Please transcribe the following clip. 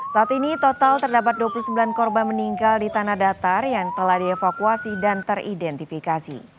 saat ini total terdapat dua puluh sembilan korban meninggal di tanah datar yang telah dievakuasi dan teridentifikasi